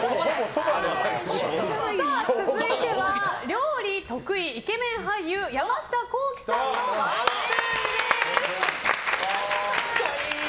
続いては料理得意イケメン俳優山下幸輝さんのワンスプーンです。